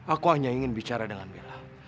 aku hanya ingin bicara dengan mila